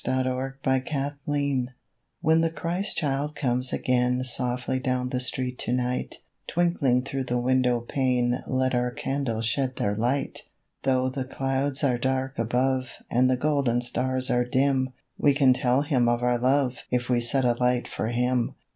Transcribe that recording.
CHRISTMAS CANDLES When the Christ child comes again Softly down the street to night, Twinkling through the window pane Let our candles shed their light. Though the clouds are dark above And the golden stars are dim, We can tell Him of our love If we set a light for Him.